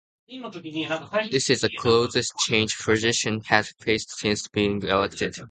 This is the closest challenge Ferguson has faced since being elected.